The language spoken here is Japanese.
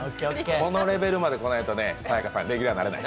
このレベルまで来ないとね、さや香さん、レギュラーになれない。